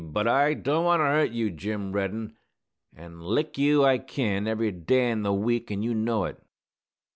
But I don't want to hurt you, Jim Reddin; an' lick you I kin, every day in the week, an' you know it!"